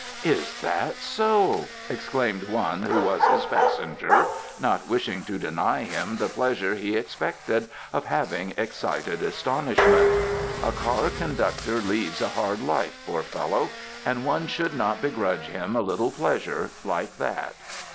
"Is that so!" exclaimed one who was his passenger, not wishing to deny him the pleasure he expected of having excited astonishment. A car conductor leads a hard life, poor fellow, and one should not begrudge him a little pleasure like that.